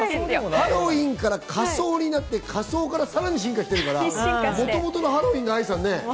ハロウィーンから仮装になって、仮装からさらに進化してるから、もともとのハロウィーンってね、愛さん。